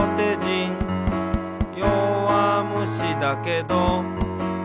「よわむしだけど」